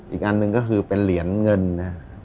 อีกอันหนึ่งก็คือเป็นเหรียญเงินนะ